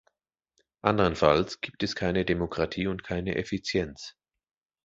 Andernfalls gibt es keine Demokratie und keine Effizienz.